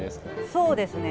そうですね。